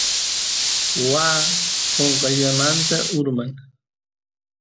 waa qonqayllamanta urman